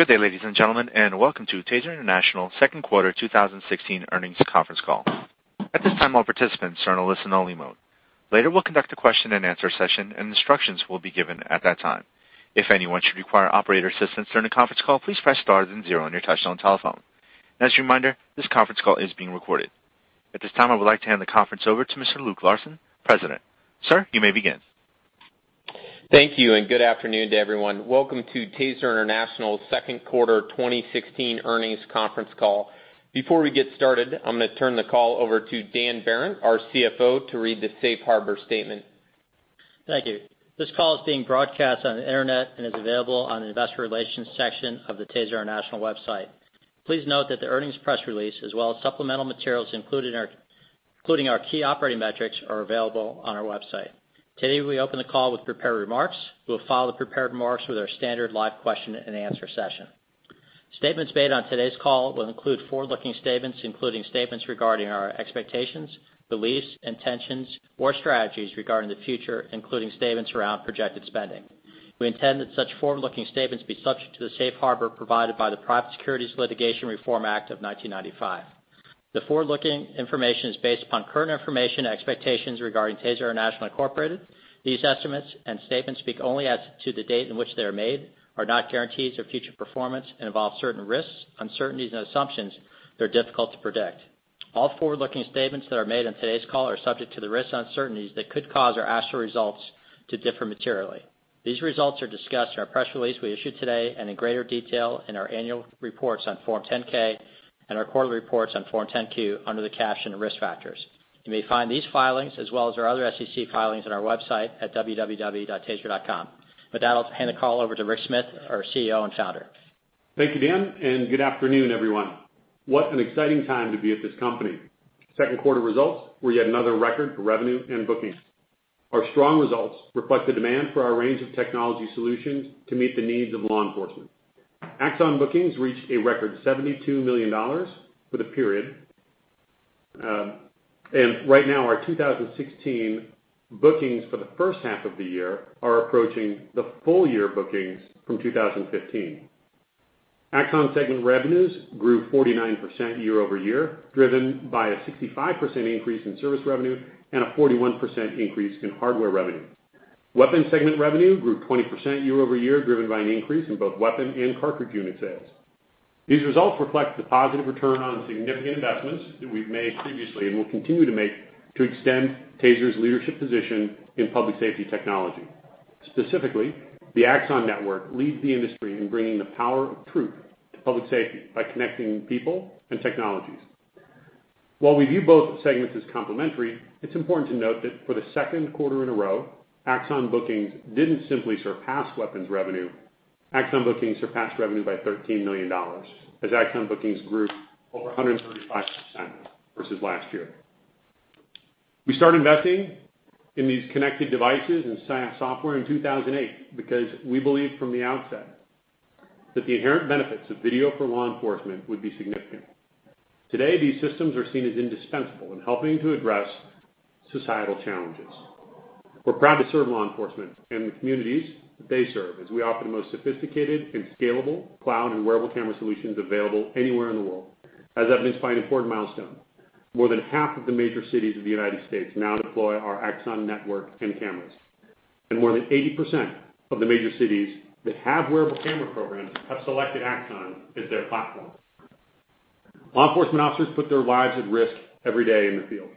Good day, ladies and gentlemen, and welcome to TASER International's second quarter 2016 earnings conference call. At this time, all participants are in listen only mode. Later, we'll conduct a question and answer session, and instructions will be given at that time. If anyone should require operator assistance during a conference call, please press star then zero on your touchtone telephone. As a reminder, this conference call is being recorded. At this time, I would like to hand the conference over to Mr. Luke Larson, President. Sir, you may begin. Thank you, and good afternoon to everyone. Welcome to TASER International's second quarter 2016 earnings conference call. Before we get started, I'm going to turn the call over to Dan Behrendt, our CFO, to read the safe harbor statement. Thank you. This call is being broadcast on the internet and is available on the investor relations section of the TASER International website. Please note that the earnings press release, as well as supplemental materials, including our key operating metrics, are available on our website. Today, we open the call with prepared remarks. We'll follow the prepared remarks with our standard live question and answer session. Statements made on today's call will include forward-looking statements, including statements regarding our expectations, beliefs, intentions, or strategies regarding the future, including statements around projected spending. We intend that such forward-looking statements be subject to the safe harbor provided by the Private Securities Litigation Reform Act of 1995. The forward-looking information is based upon current information and expectations regarding TASER International Incorporated. These estimates and statements speak only as to the date in which they are made, are not guarantees of future performance, and involve certain risks, uncertainties, and assumptions that are difficult to predict. All forward-looking statements that are made on today's call are subject to the risks and uncertainties that could cause our actual results to differ materially. These results are discussed in our press release we issued today and in greater detail in our annual reports on Form 10-K and our quarterly reports on Form 10-Q under the caption Risk Factors. You may find these filings as well as our other SEC filings on our website at www.taser.com. With that, I'll hand the call over to Rick Smith, our CEO and founder. Thank you, Dan, and good afternoon, everyone. What an exciting time to be at this company. Second quarter results were yet another record for revenue and bookings. Our strong results reflect the demand for our range of technology solutions to meet the needs of law enforcement. Axon bookings reached a record $72 million for the period. Right now, our 2016 bookings for the first half of the year are approaching the full year bookings from 2015. Axon segment revenues grew 49% year-over-year, driven by a 65% increase in service revenue and a 41% increase in hardware revenue. Weapons segment revenue grew 20% year-over-year, driven by an increase in both weapon and cartridge unit sales. These results reflect the positive return on significant investments that we've made previously and will continue to make to extend TASER's leadership position in public safety technology. Specifically, the Axon Network leads the industry in bringing the power of truth to public safety by connecting people and technologies. While we view both segments as complementary, it's important to note that for the second quarter in a row, Axon bookings didn't simply surpass weapons revenue. Axon bookings surpassed revenue by $13 million as Axon bookings grew over 135% versus last year. We started investing in these connected devices and software in 2008 because we believed from the outset that the inherent benefits of video for law enforcement would be significant. Today, these systems are seen as indispensable in helping to address societal challenges. We're proud to serve law enforcement and the communities they serve as we offer the most sophisticated and scalable cloud and wearable camera solutions available anywhere in the world. As evidenced by an important milestone, more than half of the major cities of the U.S. now deploy our Axon Network and cameras. More than 80% of the major cities that have wearable camera programs have selected Axon as their platform. Law enforcement officers put their lives at risk every day in the field.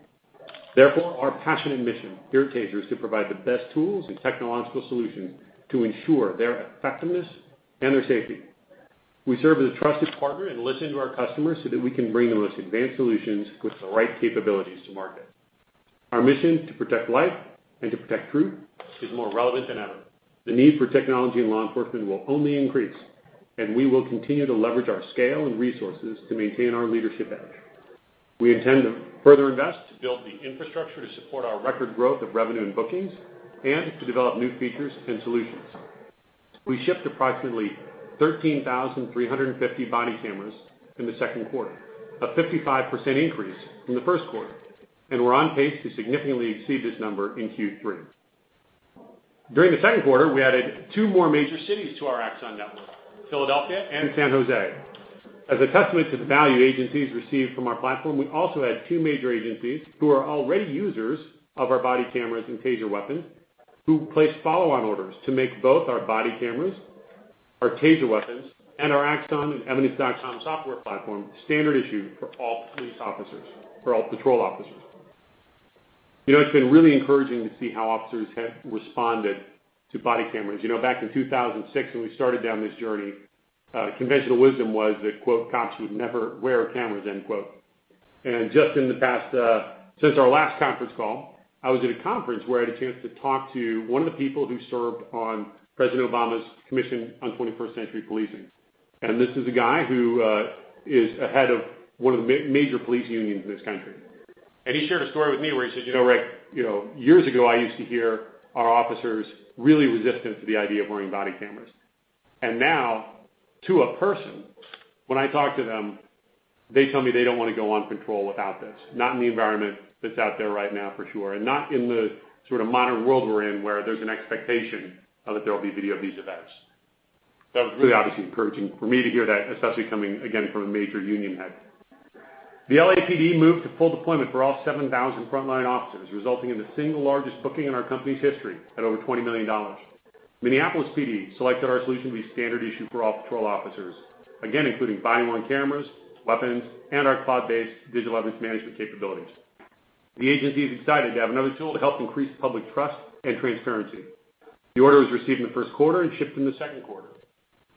Therefore, our passion and mission here at TASER is to provide the best tools and technological solutions to ensure their effectiveness and their safety. We serve as a trusted partner and listen to our customers so that we can bring the most advanced solutions with the right capabilities to market. Our mission to protect life and to protect truth is more relevant than ever. The need for technology in law enforcement will only increase, and we will continue to leverage our scale and resources to maintain our leadership edge. We intend to further invest to build the infrastructure to support our record growth of revenue and bookings and to develop new features and solutions. We shipped approximately 13,350 body cameras in the second quarter, a 55% increase from the first quarter, and we're on pace to significantly exceed this number in Q3. During the second quarter, we added two more major cities to our Axon Network, Philadelphia and San Jose. As a testament to the value agencies receive from our platform, we also had two major agencies who are already users of our body cameras and TASER weapons, who placed follow-on orders to make both our body cameras, our TASER weapons, and our Axon Evidence.com software platform standard issue for all police officers, for all patrol officers. It's been really encouraging to see how officers have responded to body cameras. Back in 2006, when we started down this journey, conventional wisdom was that, quote, "Cops would never wear cameras," end quote. Since our last conference call, I was at a conference where I had a chance to talk to one of the people who served on President Obama's Commission on 21st Century Policing. This is a guy who is a head of one of the major police unions in this country. He shared a story with me where he says, "Rick, years ago, I used to hear our officers really resistant to the idea of wearing body cameras. Now, to a person, when I talk to them. They tell me they don't want to go on patrol without this, not in the environment that's out there right now for sure, not in the sort of modern world we're in, where there's an expectation that there will be video of these events. That was really obviously encouraging for me to hear that, especially coming, again, from a major union head. The LAPD moved to full deployment for all 7,000 frontline officers, resulting in the single largest booking in our company's history at over $20 million. Minneapolis PD selected our solution to be standard issue for all patrol officers, again, including body-worn cameras, weapons, and our cloud-based digital evidence management capabilities. The agency is excited to have another tool to help increase public trust and transparency. The order was received in the first quarter and shipped in the second quarter.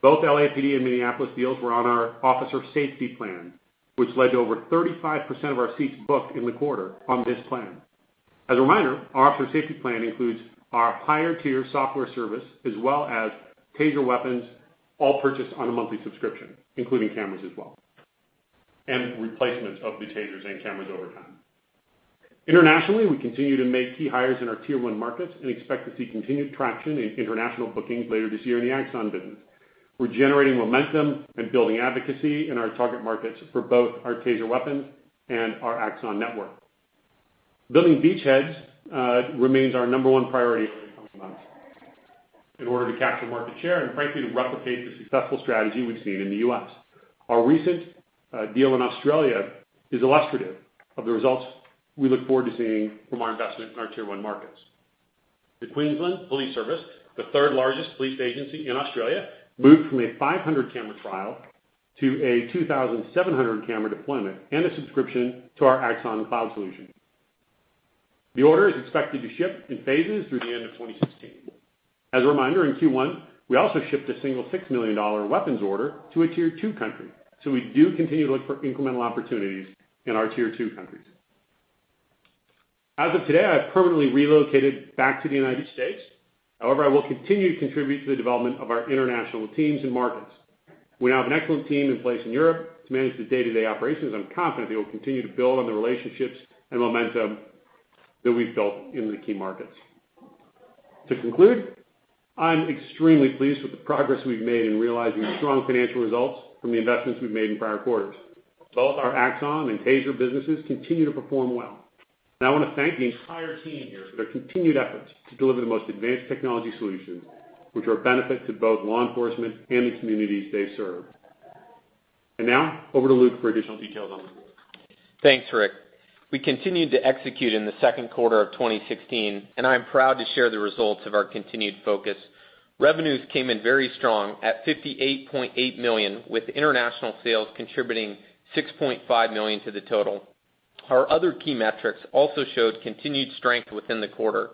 Both LAPD and Minneapolis deals were on our Officer Safety Plan, which led to over 35% of our seats booked in the quarter on this plan. As a reminder, our Officer Safety Plan includes our higher-tier software service as well as TASER weapons, all purchased on a monthly subscription, including cameras as well, and replacements of the TASERs and cameras over time. Internationally, we continue to make key hires in our Tier 1 markets and expect to see continued traction in international bookings later this year in the Axon business. We're generating momentum and building advocacy in our target markets for both our TASER weapons and our Axon Network. Building beachheads remains our number one priority over the coming months in order to capture market share and frankly, to replicate the successful strategy we've seen in the U.S. Our recent deal in Australia is illustrative of the results we look forward to seeing from our investment in our Tier 1 markets. The Queensland Police Service, the third-largest police agency in Australia, moved from a 500-camera trial to a 2,700-camera deployment and a subscription to our Axon cloud solution. The order is expected to ship in phases through the end of 2016. As a reminder, in Q1, we also shipped a single $6 million weapons order to a Tier 2 country. We do continue to look for incremental opportunities in our Tier 2 countries. As of today, I've permanently relocated back to the United States. I will continue to contribute to the development of our international teams and markets. We now have an excellent team in place in Europe to manage the day-to-day operations. I'm confident they will continue to build on the relationships and momentum that we've built in the key markets. To conclude, I'm extremely pleased with the progress we've made in realizing strong financial results from the investments we've made in prior quarters. Both our Axon and TASER businesses continue to perform well, and I want to thank the entire team here for their continued efforts to deliver the most advanced technology solutions, which are a benefit to both law enforcement and the communities they serve. Now over to Luke for additional details on the quarter. Thanks, Rick. We continued to execute in the second quarter of 2016, and I'm proud to share the results of our continued focus. Revenues came in very strong at $58.8 million, with international sales contributing $6.5 million to the total. Our other key metrics also showed continued strength within the quarter.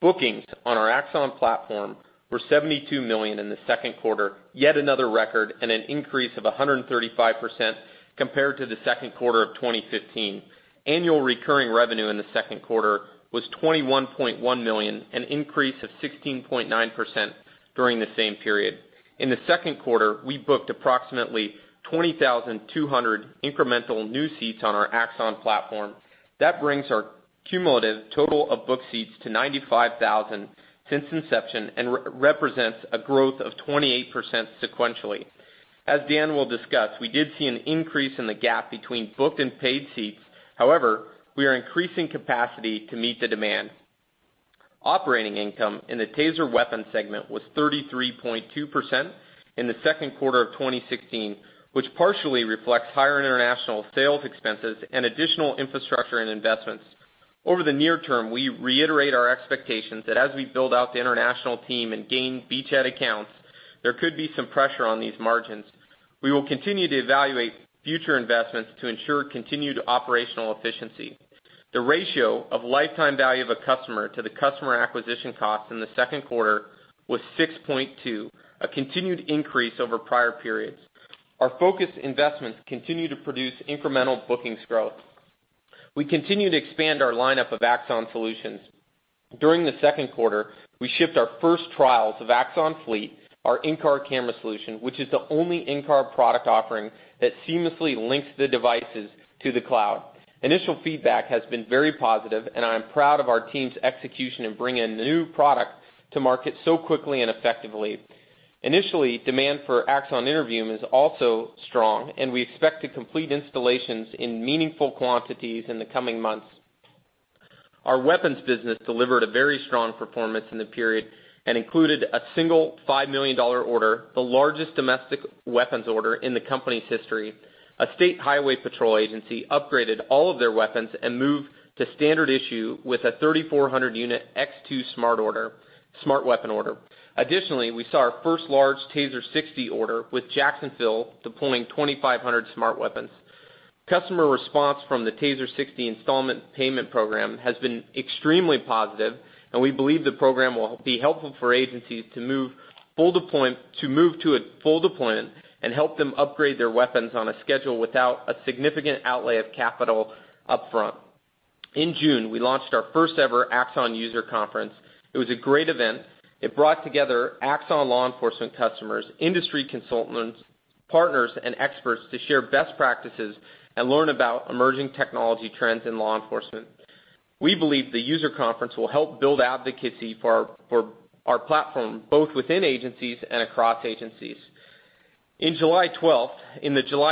Bookings on our Axon platform were $72 million in the second quarter, yet another record, and an increase of 135% compared to the second quarter of 2015. Annual recurring revenue in the second quarter was $21.1 million, an increase of 16.9% during the same period. In the second quarter, we booked approximately 20,200 incremental new seats on our Axon platform. That brings our cumulative total of booked seats to 95,000 since inception and represents a growth of 28% sequentially. As Dan will discuss, we did see an increase in the gap between booked and paid seats. We are increasing capacity to meet the demand. Operating income in the TASER weapons segment was 33.2% in the second quarter of 2016, which partially reflects higher international sales expenses and additional infrastructure and investments. Over the near term, we reiterate our expectations that as we build out the international team and gain beachhead accounts, there could be some pressure on these margins. We will continue to evaluate future investments to ensure continued operational efficiency. The ratio of lifetime value of a customer to the customer acquisition cost in the second quarter was 6.2, a continued increase over prior periods. Our focused investments continue to produce incremental bookings growth. We continue to expand our lineup of Axon solutions. During the second quarter, we shipped our first trials of Axon Fleet, our in-car camera solution, which is the only in-car product offering that seamlessly links the devices to the cloud. Initial feedback has been very positive, and I'm proud of our team's execution in bringing a new product to market so quickly and effectively. Initially, demand for Axon Interview is also strong, and we expect to complete installations in meaningful quantities in the coming months. Our weapons business delivered a very strong performance in the period and included a single $5 million order, the largest domestic weapons order in the company's history. A state highway patrol agency upgraded all of their weapons and moved to standard issue with a 3,400-unit X2 Smart weapon order. Additionally, we saw our first large TASER 60 order, with Jacksonville deploying 2,500 Smart weapons. Customer response from the TASER 60 installment payment program has been extremely positive. We believe the program will be helpful for agencies to move to a full deployment and help them upgrade their weapons on a schedule without a significant outlay of capital upfront. In June, we launched our first-ever Axon user conference. It was a great event. It brought together Axon law enforcement customers, industry consultants, partners, and experts to share best practices and learn about emerging technology trends in law enforcement. We believe the user conference will help build advocacy for our platform, both within agencies and across agencies. In the July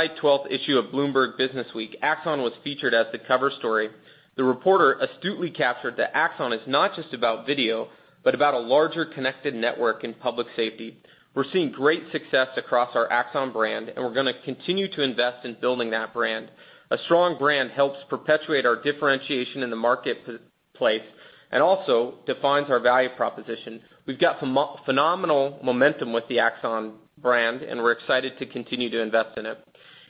12th issue of Bloomberg Businessweek, Axon was featured as the cover story. The reporter astutely captured that Axon is not just about video, but about a larger connected network in public safety. We're seeing great success across our Axon brand. We're going to continue to invest in building that brand. A strong brand helps perpetuate our differentiation in the marketplace and also defines our value proposition. We've got phenomenal momentum with the Axon brand. We're excited to continue to invest in it.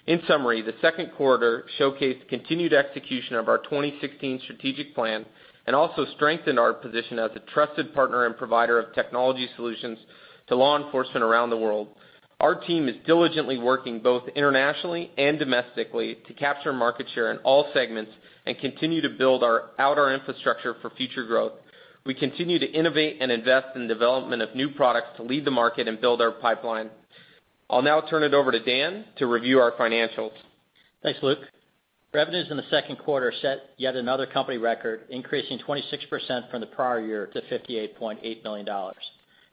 In summary, the second quarter showcased continued execution of our 2016 strategic plan and also strengthened our position as a trusted partner and provider of technology solutions to law enforcement around the world. Our team is diligently working both internationally and domestically to capture market share in all segments and continue to build out our infrastructure for future growth. We continue to innovate and invest in the development of new products to lead the market and build our pipeline. I'll now turn it over to Dan to review our financials. Thanks, Luke. Revenues in the second quarter set yet another company record, increasing 26% from the prior year to $58.8 million.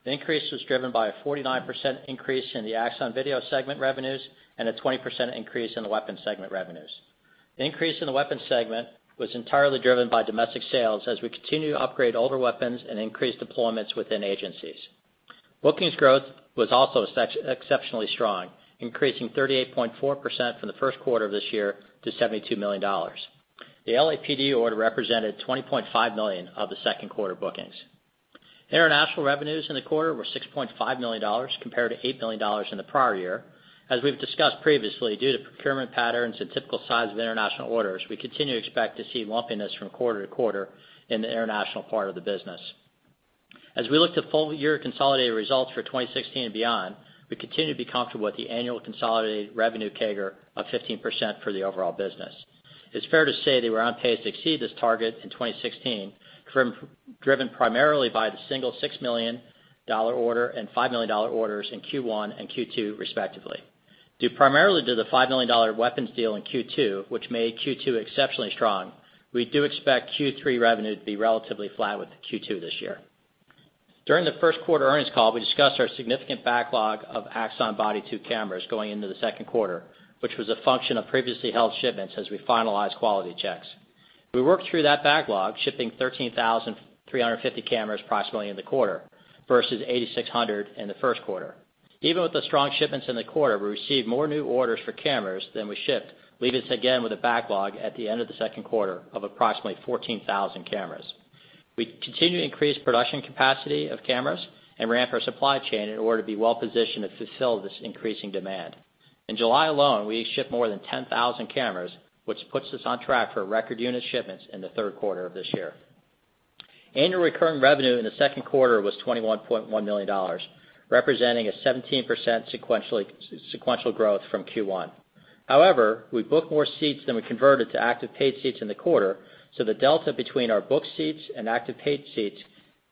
The increase was driven by a 49% increase in the Axon Video segment revenues and a 20% increase in the Weapons segment revenues. The increase in the Weapons segment was entirely driven by domestic sales as we continue to upgrade older weapons and increase deployments within agencies. Bookings growth was also exceptionally strong, increasing 38.4% from the first quarter of this year to $72 million. The LAPD order represented $20.5 million of the second quarter bookings. International revenues in the quarter were $6.5 million compared to $8 million in the prior year. We've discussed previously, due to procurement patterns and typical size of international orders, we continue to expect to see lumpiness from quarter to quarter in the international part of the business. We look to full-year consolidated results for 2016 and beyond, we continue to be comfortable with the annual consolidated revenue CAGR of 15% for the overall business. It's fair to say that we're on pace to exceed this target in 2016, driven primarily by the single $6 million order and $5 million orders in Q1 and Q2 respectively. Due primarily to the $5 million weapons deal in Q2, which made Q2 exceptionally strong, we do expect Q3 revenue to be relatively flat with Q2 this year. During the first quarter earnings call, we discussed our significant backlog of Axon Body 2 cameras going into the second quarter, which was a function of previously held shipments as we finalized quality checks. We worked through that backlog, shipping 13,350 cameras approximately in the quarter versus 8,600 in the first quarter. Even with the strong shipments in the quarter, we received more new orders for cameras than we shipped, leaving us again with a backlog at the end of the second quarter of approximately 14,000 cameras. We continue to increase production capacity of cameras and ramp our supply chain in order to be well-positioned to fulfill this increasing demand. In July alone, we shipped more than 10,000 cameras, which puts us on track for record unit shipments in the third quarter of this year. Annual recurring revenue in the second quarter was $21.1 million, representing a 17% sequential growth from Q1. However, we booked more seats than we converted to active paid seats in the quarter, so the delta between our booked seats and active paid seats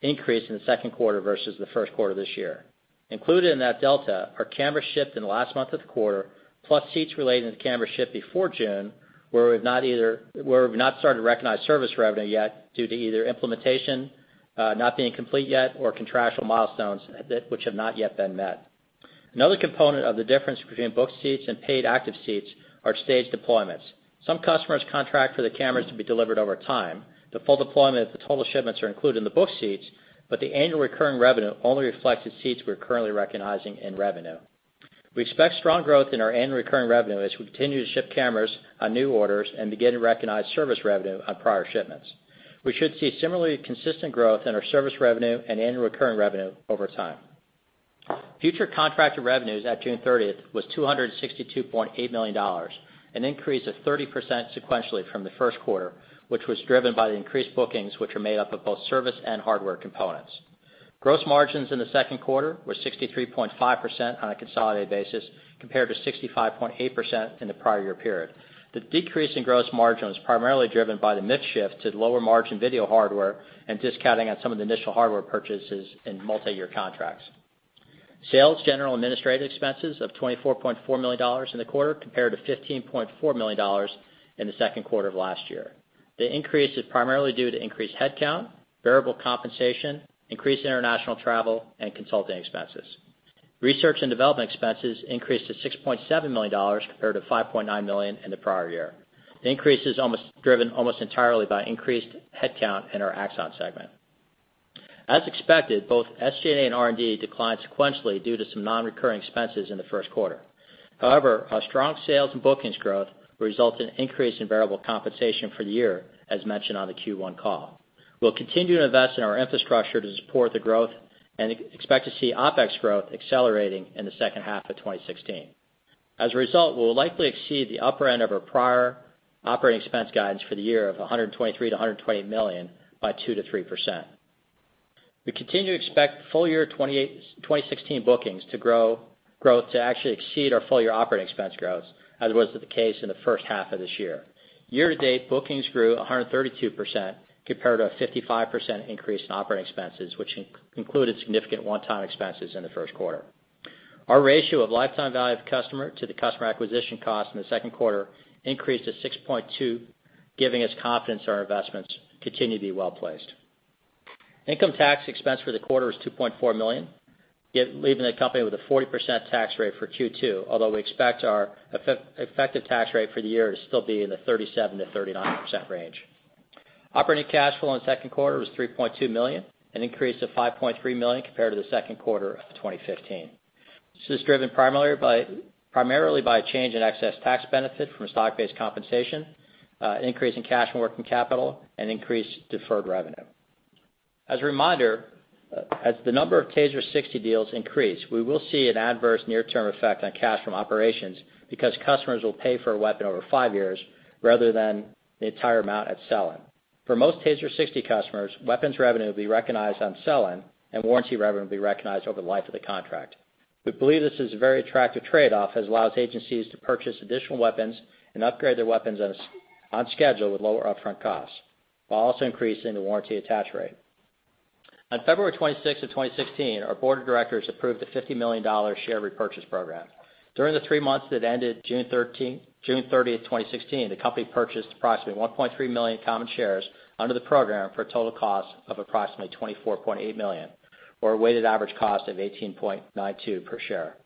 increased in the second quarter versus the first quarter this year. Included in that delta are cameras shipped in the last month of the quarter, plus seats relating to the cameras shipped before June, where we've not started to recognize service revenue yet due to either implementation not being complete yet or contractual milestones which have not yet been met. Another component of the difference between booked seats and paid active seats are staged deployments. Some customers contract for the cameras to be delivered over time. The full deployment of the total shipments are included in the booked seats, but the annual recurring revenue only reflects the seats we're currently recognizing in revenue. We expect strong growth in our annual recurring revenue as we continue to ship cameras on new orders and begin to recognize service revenue on prior shipments. We should see similarly consistent growth in our service revenue and annual recurring revenue over time. Future contracted revenues at June 30th was $262.8 million, an increase of 30% sequentially from the first quarter, which was driven by the increased bookings which are made up of both service and hardware components. Gross margins in the second quarter were 63.5% on a consolidated basis compared to 65.8% in the prior year period. The decrease in gross margin was primarily driven by the mix shift to lower-margin video hardware and discounting on some of the initial hardware purchases in multi-year contracts. Sales, general, and administrative expenses of $24.4 million in the quarter compared to $15.4 million in the second quarter of last year. The increase is primarily due to increased headcount, variable compensation, increased international travel, and consulting expenses. Research and development expenses increased to $6.7 million compared to $5.9 million in the prior year. The increase is driven almost entirely by increased headcount in our Axon segment. As expected, both SG&A and R&D declined sequentially due to some non-recurring expenses in the first quarter. However, our strong sales and bookings growth will result in an increase in variable compensation for the year, as mentioned on the Q1 call. We'll continue to invest in our infrastructure to support the growth and expect to see OpEx growth accelerating in the second half of 2016. As a result, we'll likely exceed the upper end of our prior operating expense guidance for the year of $123 million-$128 million by 2%-3%. We continue to expect full-year 2016 bookings growth to actually exceed our full-year operating expense growth, as was the case in the first half of this year. Year-to-date bookings grew 132% compared to a 55% increase in operating expenses, which included significant one-time expenses in the first quarter. Our ratio of lifetime value of customer to the customer acquisition cost in the second quarter increased to 6.2, giving us confidence our investments continue to be well-placed. Income tax expense for the quarter was $2.4 million, leaving the company with a 40% tax rate for Q2, although we expect our effective tax rate for the year to still be in the 37%-39% range. Operating cash flow in the second quarter was $3.2 million, an increase of $5.3 million compared to the second quarter of 2015. This is driven primarily by a change in excess tax benefit from stock-based compensation, an increase in cash from working capital, and increased deferred revenue. As a reminder, as the number of TASER 60 deals increase, we will see an adverse near-term effect on cash from operations because customers will pay for a weapon over 5 years rather than the entire amount at sell-in. For most TASER 60 customers, weapons revenue will be recognized on sell-in, and warranty revenue will be recognized over the life of the contract. We believe this is a very attractive trade-off, as it allows agencies to purchase additional weapons and upgrade their weapons on schedule with lower upfront costs, while also increasing the warranty attach rate. On February 26, 2016, our board of directors approved a $50 million share repurchase program. During the 3 months that ended June 30, 2016, the company purchased approximately 1.3 million common shares under the program for a total cost of approximately $24.8 million, or a weighted average cost of $18.92 per share.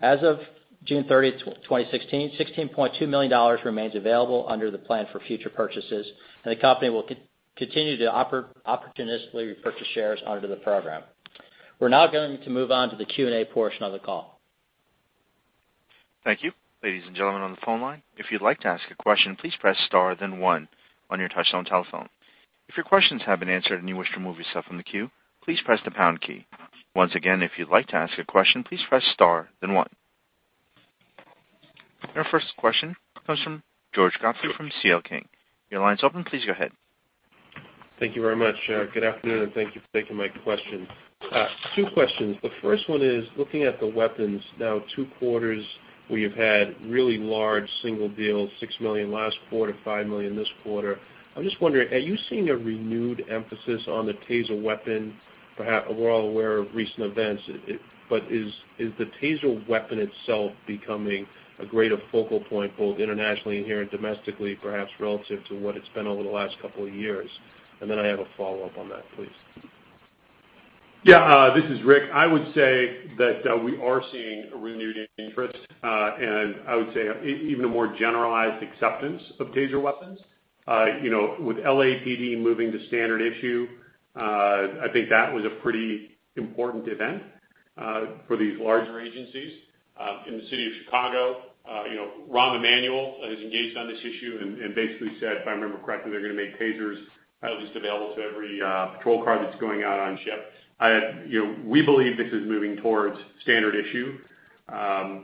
As of June 30, 2016, $16.2 million remains available under the plan for future purchases, and the company will continue to opportunistically repurchase shares under the program. We're now going to move on to the Q&A portion of the call. Thank you. Ladies and gentlemen on the phone line, if you'd like to ask a question, please press star then one on your touchtone telephone. If your questions have been answered and you wish to remove yourself from the queue, please press the pound key. Once again, if you'd like to ask a question, please press star, then one. Our first question comes from George Godfrey from C.L. King. Your line's open. Please go ahead. Thank you very much. Good afternoon, and thank you for taking my question. Two questions. The first one is looking at the weapons now two quarters where you've had really large single deals, $6 million last quarter, $5 million this quarter. I'm just wondering, are you seeing a renewed emphasis on the TASER weapon? We're all aware of recent events, but is the TASER weapon itself becoming a greater focal point, both internationally and here domestically, perhaps relative to what it's been over the last couple of years? I have a follow-up on that, please. Yeah. This is Rick. I would say that we are seeing a renewed interest, and I would say even a more generalized acceptance of TASER weapons. With LAPD moving to standard issue, I think that was a pretty important event for these larger agencies. In the city of Chicago, Rahm Emanuel is engaged on this issue and basically said, if I remember correctly, they're going to make TASERs just available to every patrol car that's going out on shift. We believe this is moving towards standard issue. I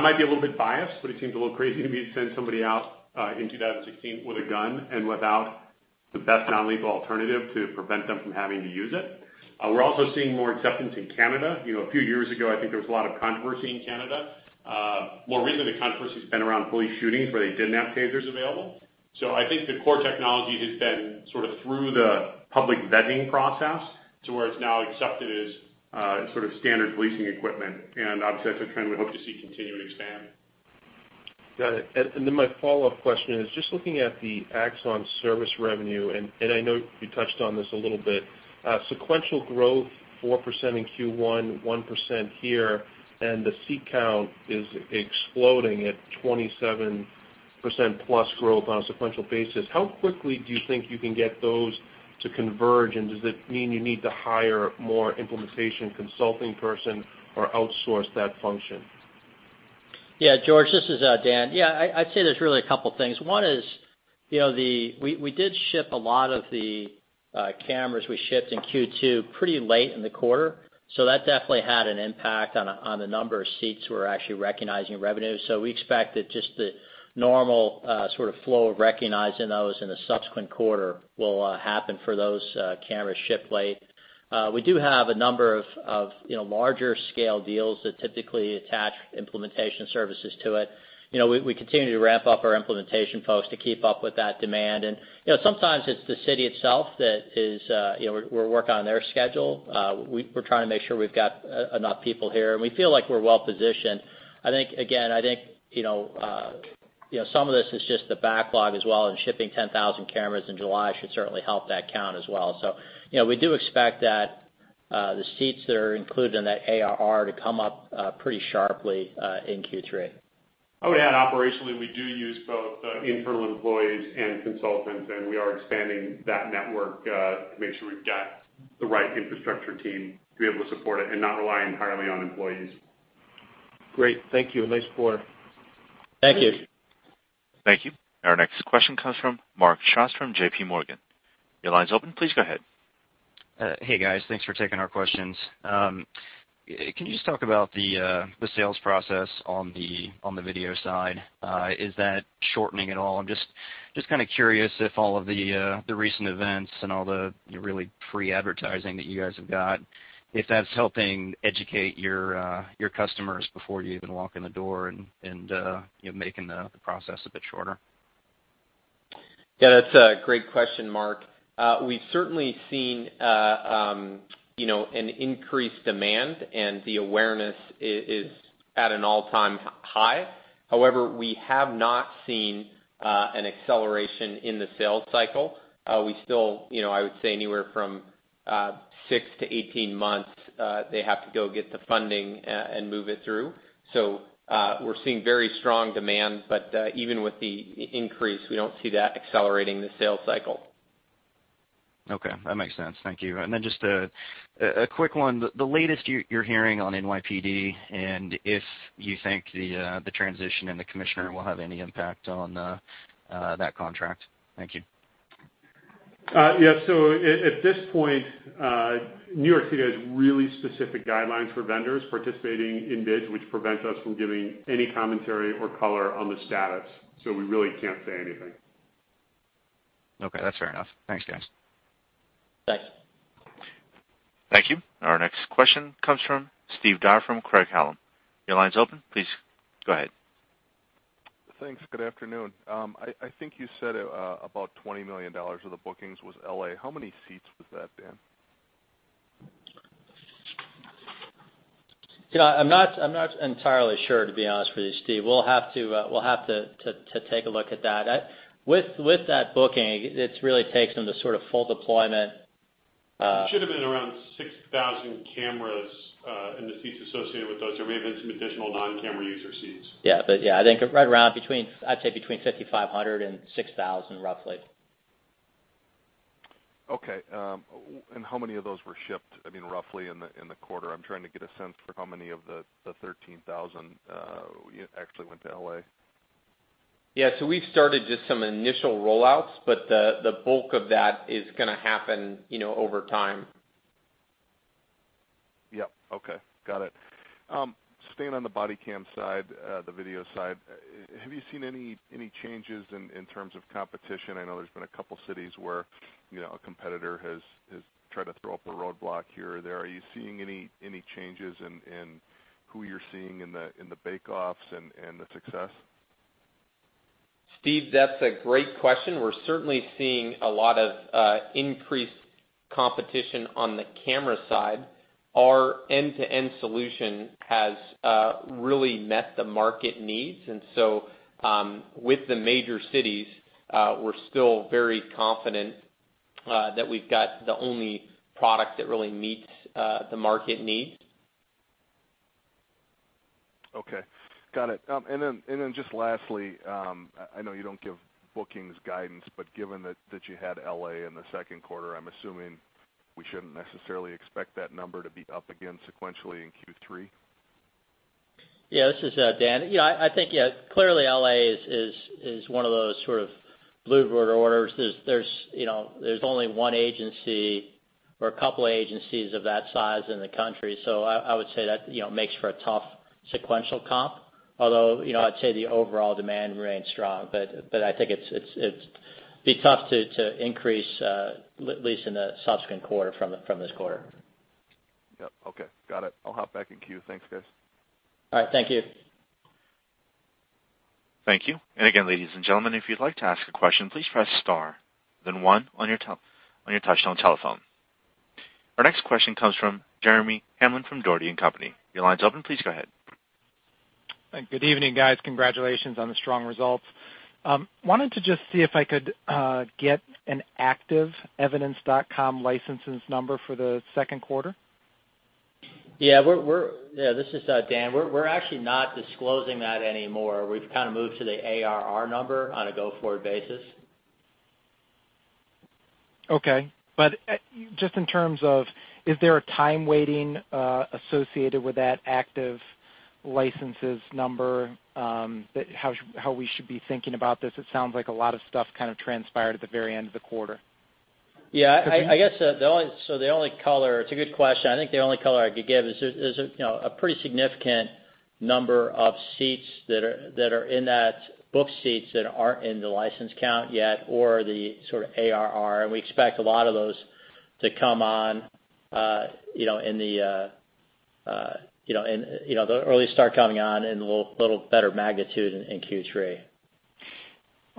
might be a little bit biased, but it seems a little crazy to me to send somebody out in 2016 with a gun and without the best non-lethal alternative to prevent them from having to use it. We're also seeing more acceptance in Canada. A few years ago, I think there was a lot of controversy in Canada. More recently, the controversy's been around police shootings where they didn't have TASERs available. I think the core technology has been sort of through the public vetting process to where it's now accepted as sort of standard policing equipment. Obviously, that's a trend we hope to see continue to expand. Got it. My follow-up question is just looking at the Axon service revenue, and I know you touched on this a little bit. Sequential growth 4% in Q1, 1% here, and the seat count is exploding at 27%+ growth on a sequential basis. How quickly do you think you can get those to converge? Does it mean you need to hire more implementation consulting person or outsource that function? George, this is Dan. I'd say there's really a couple things. One is we did ship a lot of the cameras we shipped in Q2 pretty late in the quarter. That definitely had an impact on the number of seats we're actually recognizing revenue. We expect that just the normal sort of flow of recognizing those in the subsequent quarter will happen for those cameras shipped late. We do have a number of larger scale deals that typically attach implementation services to it. We continue to ramp up our implementation folks to keep up with that demand. Sometimes it's the city itself that we'll work on their schedule. We're trying to make sure we've got enough people here, and we feel like we're well-positioned. Again, I think some of this is just the backlog as well, and shipping 10,000 cameras in July should certainly help that count as well. We do expect that the seats that are included in that ARR to come up pretty sharply in Q3. I would add operationally, we do use both internal employees and consultants, and we are expanding that network to make sure we've got the right infrastructure team to be able to support it and not rely entirely on employees. Great. Thank you, and nice quarter. Thank you. Thank you. Our next question comes from Mark Strouse from J.P. Morgan. Your line's open. Please go ahead. Hey, guys. Thanks for taking our questions. Can you just talk about the sales process on the video side? Is that shortening at all? I'm just kind of curious if all of the recent events and all the really free advertising that you guys have got, if that's helping educate your customers before you even walk in the door and making the process a bit shorter. Yeah, that's a great question, Mark. We've certainly seen an increased demand, and the awareness is at an all-time high. However, we have not seen an acceleration in the sales cycle. We still, I would say, anywhere from 6-18 months, they have to go get the funding and move it through. We're seeing very strong demand, but even with the increase, we don't see that accelerating the sales cycle. Okay. That makes sense. Thank you. Just a quick one, the latest you're hearing on NYPD, if you think the transition in the commissioner will have any impact on that contract. Thank you. Yeah. At this point, New York City has really specific guidelines for vendors participating in bids which prevent us from giving any commentary or color on the status. We really can't say anything. Okay, that's fair enough. Thanks, guys. Thanks. Thank you. Our next question comes from Steve Dyer from Craig-Hallum. Your line's open. Please go ahead. Thanks. Good afternoon. I think you said about $20 million of the bookings was L.A. How many seats was that, Dan? I'm not entirely sure, to be honest with you, Steve. We'll have to take a look at that. With that booking, it really takes them the sort of full deployment- It should've been around 6,000 cameras, and the seats associated with those. There may have been some additional non-camera user seats. I think right around between, I'd say between 5,500 and 6,000, roughly. Okay. How many of those were shipped, I mean, roughly in the quarter? I'm trying to get a sense for how many of the 13,000 actually went to L.A. Yeah. We've started just some initial rollouts, but the bulk of that is going to happen over time. Yep. Okay. Got it. Staying on the body cam side, the video side, have you seen any changes in terms of competition? I know there's been a two cities where a competitor has tried to throw up a roadblock here or there. Are you seeing any changes in who you're seeing in the bake-offs, and the success? Steve, that's a great question. We're certainly seeing a lot of increased competition on the camera side. Our end-to-end solution has really met the market needs. With the major cities, we're still very confident that we've got the only product that really meets the market needs. Okay. Got it. Just lastly, I know you don't give bookings guidance, but given that you had L.A. in the second quarter, I'm assuming we shouldn't necessarily expect that number to be up again sequentially in Q3? Yeah, this is Dan. I think, yeah, clearly L.A. is one of those sort of bluebird orders. There's only one agency or a couple agencies of that size in the country. I would say that makes for a tough sequential comp, although I'd say the overall demand remains strong. I think it'd be tough to increase, at least in the subsequent quarter from this quarter. Yep. Okay. Got it. I'll hop back in queue. Thanks, guys. All right. Thank you. Thank you. Again, ladies and gentlemen, if you'd like to ask a question, please press star, then one on your touchtone telephone. Our next question comes from Jeremy Hamblin from Dougherty & Company. Your line's open. Please go ahead. I wanted to just see if I could get an active Evidence.com licenses number for the second quarter. Yeah. This is Dan. We're actually not disclosing that anymore. We've kind of moved to the ARR number on a go-forward basis. Okay. Just in terms of, is there a time waiting associated with that active licenses number, how we should be thinking about this? It sounds like a lot of stuff kind of transpired at the very end of the quarter. Yeah. It's a good question. I think the only color I could give is there's a pretty significant number of seats that are in that book seats that aren't in the license count yet, or the sort of ARR. We expect a lot of those to early start coming on in a little better magnitude in Q3.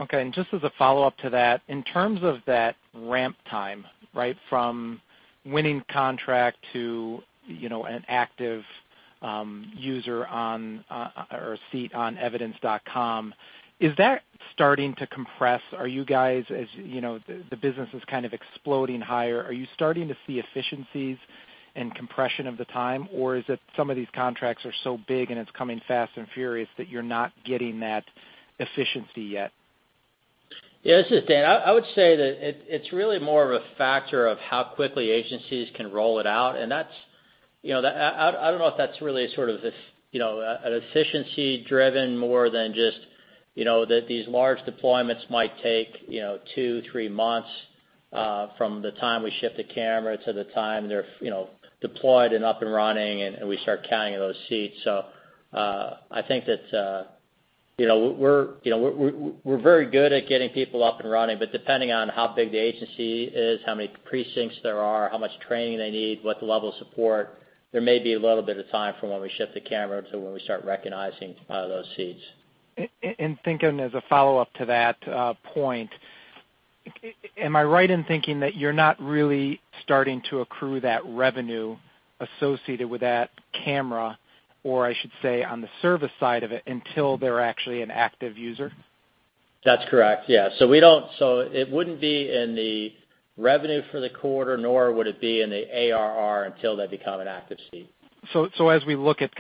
Okay. Just as a follow-up to that, in terms of that ramp time from winning contract to an active user or a seat on Evidence.com, is that starting to compress? As the business is kind of exploding higher, are you starting to see efficiencies and compression of the time, or is it some of these contracts are so big, and it's coming fast and furious that you're not getting that efficiency yet? Yeah. This is Dan. I would say that it's really more of a factor of how quickly agencies can roll it out. I don't know if that's really a sort of an efficiency driven more than just that these large deployments might take two, three months from the time we ship the camera to the time they're deployed and up and running, and we start counting those seats. I think that we're very good at getting people up and running, but depending on how big the agency is, how many precincts there are, how much training they need, what the level of support, there may be a little bit of time from when we ship the camera to when we start recognizing those seats. Thinking as a follow-up to that point, am I right in thinking that you're not really starting to accrue that revenue associated with that camera, or I should say, on the service side of it, until they're actually an active user? That's correct. Yeah. It wouldn't be in the revenue for the quarter, nor would it be in the ARR until they become an active seat. As we look at,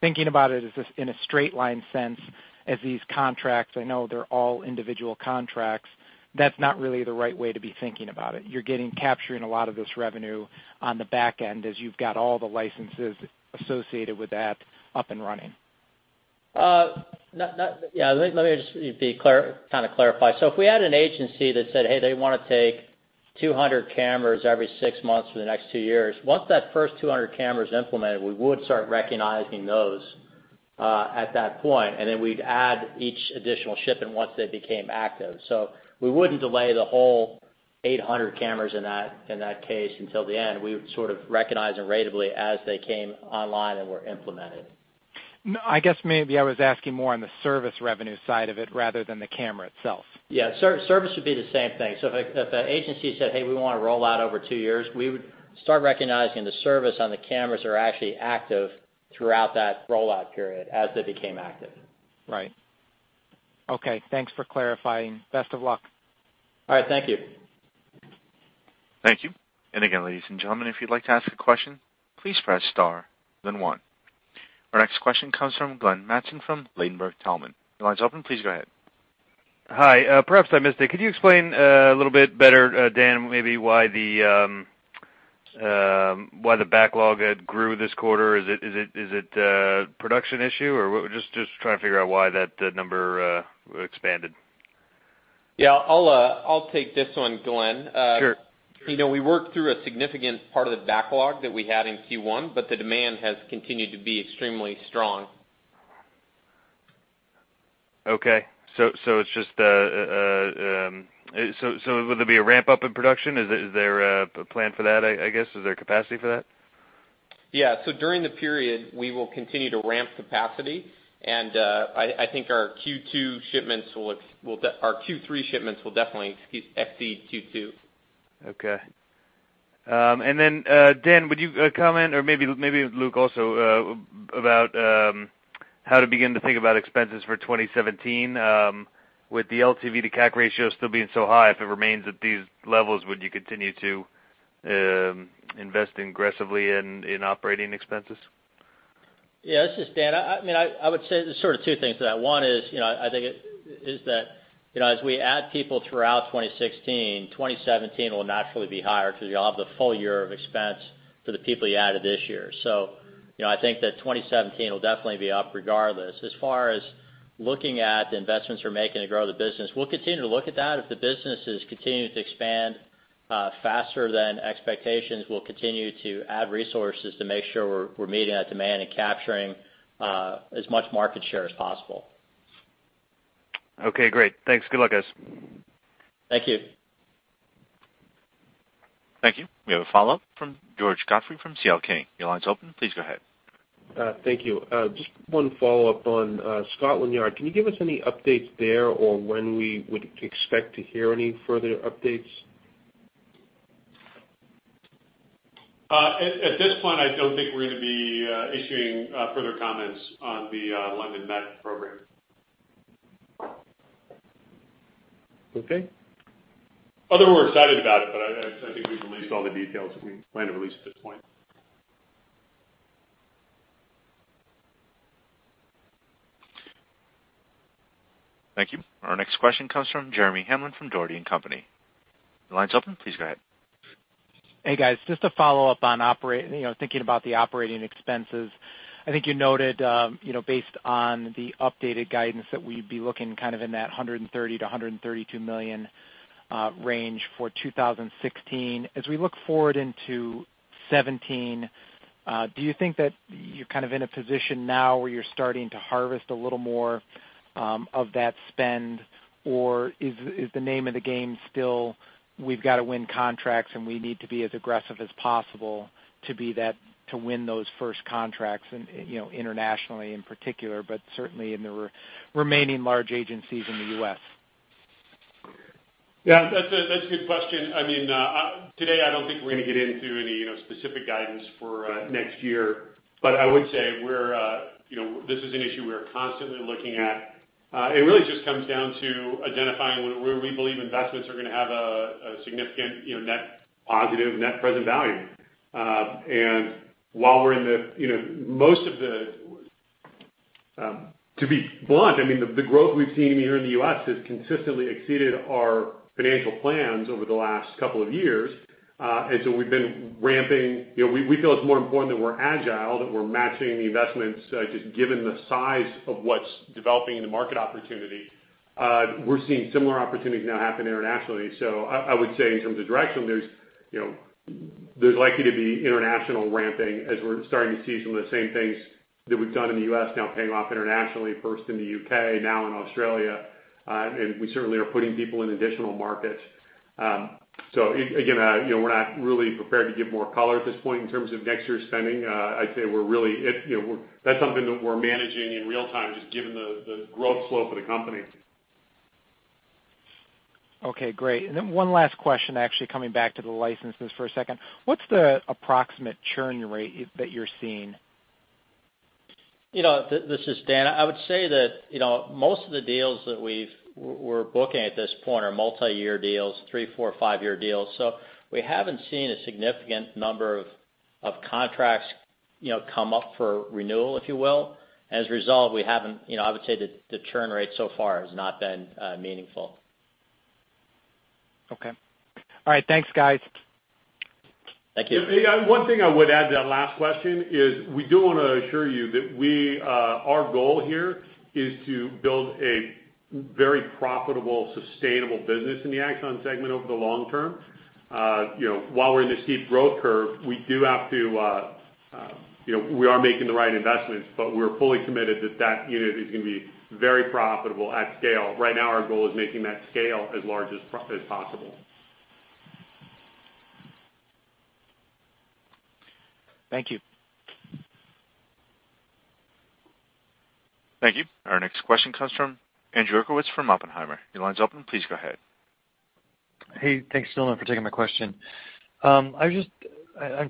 thinking about it in a straight line sense as these contracts, I know they're all individual contracts, that's not really the right way to be thinking about it. You're capturing a lot of this revenue on the back end as you've got all the licenses associated with that up and running. Yeah. Let me just kind of clarify. If we had an agency that said, hey, they want to take 200 cameras every six months for the next two years, once that first 200 cameras implemented, we would start recognizing those, at that point, and then we'd add each additional shipment once they became active. We wouldn't delay the whole 800 cameras in that case until the end. We would sort of recognize them ratably as they came online and were implemented. No. I guess maybe I was asking more on the service revenue side of it rather than the camera itself. Yeah. Service would be the same thing. If an agency said, "Hey, we want to roll out over two years," we would start recognizing the service on the cameras are actually active throughout that rollout period as they became active. Right. Okay. Thanks for clarifying. Best of luck. All right. Thank you. Thank you. Again, ladies and gentlemen, if you'd like to ask a question, please press star then one. Our next question comes from Glenn Mattson from Ladenburg Thalmann. Your line's open. Please go ahead. Hi. Perhaps I missed it. Could you explain a little bit better, Dan, maybe why the backlog grew this quarter? Is it a production issue or just trying to figure out why that number expanded. Yeah. I'll take this one, Glenn. Sure. We worked through a significant part of the backlog that we had in Q1, the demand has continued to be extremely strong. Okay. Will there be a ramp-up in production? Is there a plan for that, I guess? Is there capacity for that? During the period, we will continue to ramp capacity. I think our Q3 shipments will definitely exceed Q2. Okay. Dan, would you comment, or maybe Luke also, about how to begin to think about expenses for 2017 with the LTV to CAC ratio still being so high. If it remains at these levels, would you continue to invest aggressively in operating expenses? Yeah. This is Dan. I would say there's sort of two things to that. One is that, as we add people throughout 2016, 2017 will naturally be higher because you'll have the full year of expense for the people you added this year. I think that 2017 will definitely be up regardless. As far as looking at the investments we're making to grow the business, we'll continue to look at that. If the business is continuing to expand faster than expectations, we'll continue to add resources to make sure we're meeting that demand and capturing as much market share as possible. Okay. Great. Thanks. Good luck, guys. Thank you. Thank you. We have a follow-up from George Godfrey from C.L. King. Your line's open. Please go ahead. Thank you. Just one follow-up on Scotland Yard. Can you give us any updates there or when we would expect to hear any further updates? At this point, I don't think we're going to be issuing further comments on the London Met program. Okay. Other than we're excited about it, I think we've released all the details that we plan to release at this point. Thank you. Our next question comes from Jeremy Hamblin from Dougherty & Company. Your line's open. Please go ahead. Hey, guys. Just a follow-up on, thinking about the operating expenses. I think you noted, based on the updated guidance that we'd be looking kind of in that $130 million-$132 million range for 2016. As we look forward into 2017, do you think that you're kind of in a position now where you're starting to harvest a little more of that spend, or is the name of the game still we've got to win contracts, we need to be as aggressive as possible to win those first contracts, internationally in particular, certainly in the remaining large agencies in the U.S.? Yeah, that's a good question. Today, I don't think we're going to get into any specific guidance for next year. I would say this is an issue we're constantly looking at. It really just comes down to identifying where we believe investments are going to have a significant net positive, net present value. To be blunt, the growth we've seen here in the U.S. has consistently exceeded our financial plans over the last couple of years. We feel it's more important that we're agile, that we're matching the investments, just given the size of what's developing in the market opportunity. We're seeing similar opportunities now happen internationally. I would say in terms of direction, there's likely to be international ramping as we're starting to see some of the same things that we've done in the U.S. now paying off internationally, first in the U.K., now in Australia. We certainly are putting people in additional markets. Again, we're not really prepared to give more color at this point in terms of next year's spending. I'd say that's something that we're managing in real time, just given the growth slope of the company. Okay, great. One last question, actually, coming back to the licenses for a second. What's the approximate churn rate that you're seeing? This is Dan. I would say that most of the deals that we're booking at this point are multi-year deals, three, four, five-year deals. We haven't seen a significant number of contracts come up for renewal, if you will. As a result, I would say that the churn rate so far has not been meaningful. Okay. All right. Thanks, guys. Thank you. One thing I would add to that last question is we do want to assure you that our goal here is to build a very profitable, sustainable business in the Axon Segment over the long term. While we're in this steep growth curve, we are making the right investments, we're fully committed that that unit is going to be very profitable at scale. Right now, our goal is making that scale as large as possible. Thank you. Thank you. Our next question comes from Andrew Uerkwitz from Oppenheimer. Your line's open. Please go ahead. Hey, thanks, gentlemen, for taking my question. I'm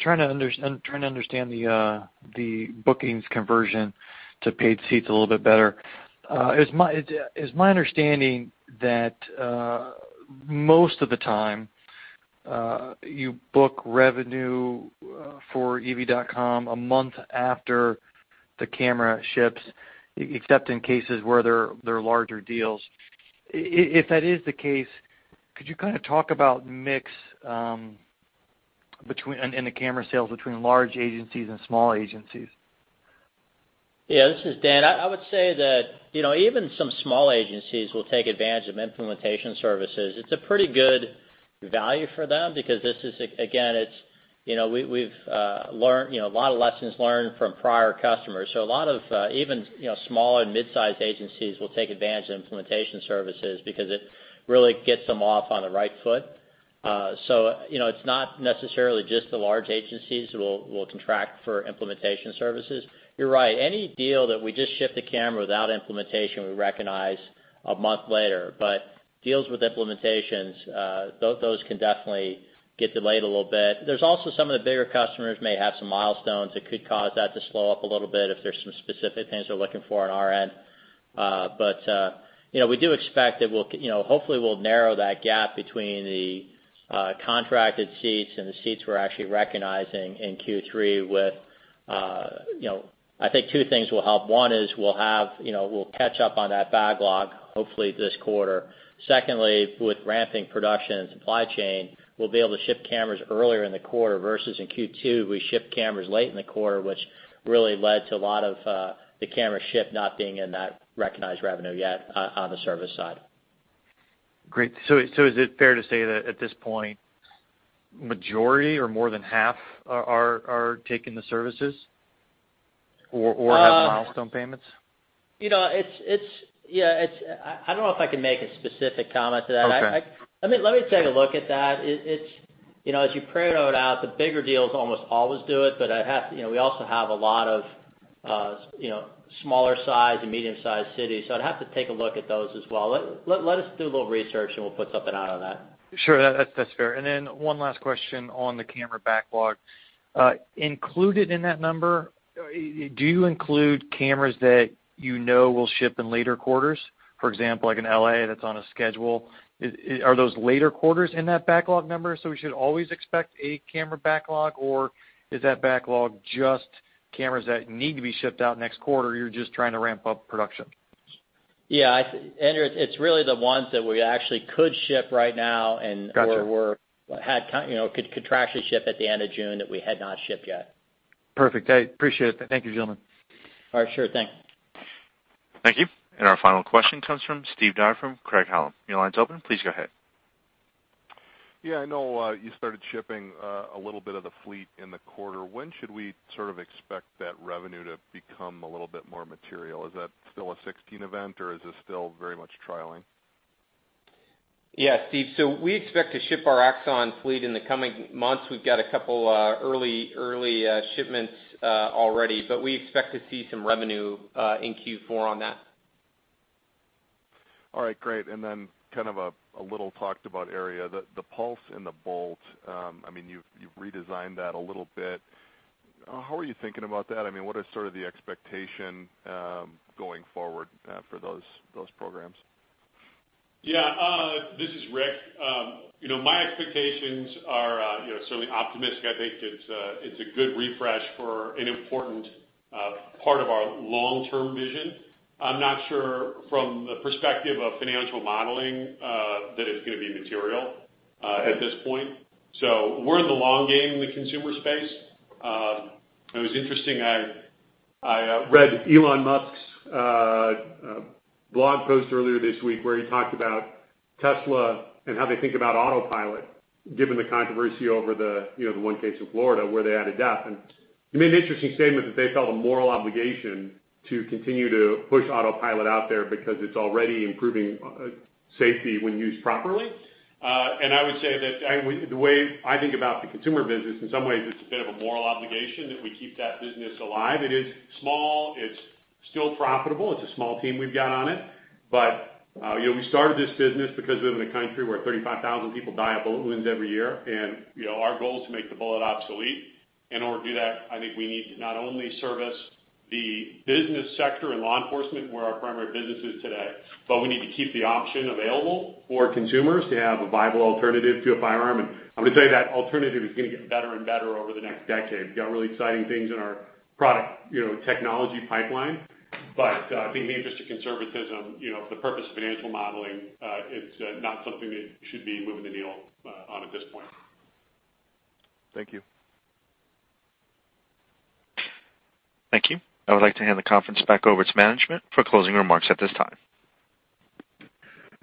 trying to understand the bookings conversion to paid seats a little bit better. It's my understanding that most of the time, you book revenue for Evidence.com a month after the camera ships, except in cases where there are larger deals. If that is the case, could you kind of talk about mix in the camera sales between large agencies and small agencies? Yeah, this is Dan. I would say that even some small agencies will take advantage of implementation services. It's a pretty good value for them because, again, a lot of lessons learned from prior customers. A lot of even small and mid-size agencies will take advantage of implementation services because it really gets them off on the right foot. It's not necessarily just the large agencies who will contract for implementation services. You're right, any deal that we just ship the camera without implementation, we recognize a month later, deals with implementations, those can definitely get delayed a little bit. There's also some of the bigger customers may have some milestones that could cause that to slow up a little bit if there's some specific things they're looking for on our end. We do expect that hopefully we'll narrow that gap between the contracted seats and the seats we're actually recognizing in Q3. I think two things will help. One is we'll catch up on that backlog, hopefully this quarter. Secondly, with ramping production and supply chain, we'll be able to ship cameras earlier in the quarter versus in Q2, we shipped cameras late in the quarter, which really led to a lot of the camera ship not being in that recognized revenue yet on the service side. Great. Is it fair to say that at this point, majority or more than half are taking the services or have milestone payments? I don't know if I can make a specific comment to that. Okay. Let me take a look at that. As you pro-rate out, the bigger deals almost always do it, but we also have a lot of smaller size and medium-sized cities. I'd have to take a look at those as well. Let us do a little research, and we'll put something out on that. Sure. That's fair. One last question on the camera backlog. Included in that number, do you include cameras that you know will ship in later quarters? For example, like in L.A., that's on a schedule. Are those later quarters in that backlog number, so we should always expect a camera backlog? Is that backlog just cameras that need to be shipped out next quarter, you're just trying to ramp up production? Yeah. Andrew, it's really the ones that we actually could ship right now. Got you. or could contractually ship at the end of June that we had not shipped yet. Perfect. I appreciate it. Thank you, gentlemen. All right. Sure. Thanks. Thank you. Our final question comes from Steve Dyer from Craig-Hallum. Your line's open. Please go ahead. I know you started shipping a little bit of the Fleet in the quarter. When should we sort of expect that revenue to become a little bit more material? Is that still a 2016 event, or is this still very much trialing? Steve. We expect to ship our Axon Fleet in the coming months. We've got a couple early shipments already. We expect to see some revenue in Q4 on that. All right, great. Kind of a little talked about area, the Pulse and the Bolt. You've redesigned that a little bit. How are you thinking about that? What is sort of the expectation going forward for those programs? Yeah. This is Rick. My expectations are certainly optimistic. I think it's a good refresh for an important part of our long-term vision. I'm not sure from the perspective of financial modeling that it's going to be material at this point. We're in the long game in the consumer space. It was interesting, I read Elon Musk's blog post earlier this week where he talked about Tesla and how they think about Autopilot, given the controversy over the one case in Florida where they had a death. He made an interesting statement that they felt a moral obligation to continue to push Autopilot out there because it's already improving safety when used properly. I would say that the way I think about the consumer business, in some ways, it's a bit of a moral obligation that we keep that business alive. It is small. It's still profitable. It's a small team we've got on it. We started this business because we live in a country where 35,000 people die of bullet wounds every year, and our goal is to make the bullet obsolete. In order to do that, I think we need to not only service the business sector and law enforcement, where our primary business is today, but we need to keep the option available for consumers to have a viable alternative to a firearm. I'm going to tell you that alternative is going to get better and better over the next decade. We've got really exciting things in our product technology pipeline. I think in the interest of conservatism, for the purpose of financial modeling, it's not something that should be moving the needle on at this point. Thank you. Thank you. I would like to hand the conference back over to management for closing remarks at this time.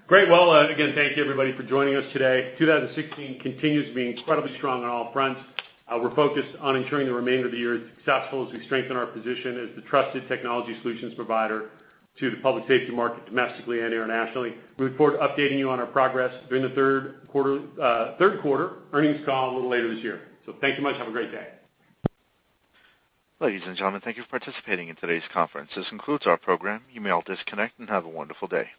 Great. Well, again, thank you, everybody, for joining us today. 2016 continues to be incredibly strong on all fronts. We're focused on ensuring the remainder of the year is successful as we strengthen our position as the trusted technology solutions provider to the public safety market, domestically and internationally. We look forward to updating you on our progress during the third quarter earnings call a little later this year. Thank you much. Have a great day. Ladies and gentlemen, thank you for participating in today's conference. This concludes our program. You may all disconnect and have a wonderful day.